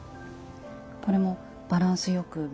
これもバランスよく。